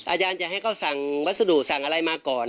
อาจารย์จะให้เขาสั่งวัสดุสั่งอะไรมาก่อน